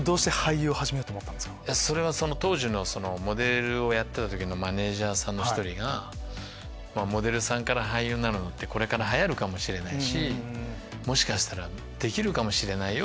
それはモデルをやってた時のマネジャーさんの１人が「モデルさんから俳優になるのってこれから流行るかもしれないしもしかしたらできるかもしれないよ」